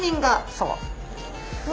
そう。